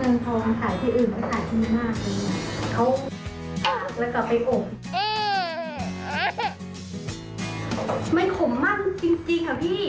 มันขมมากจริงค่ะพี่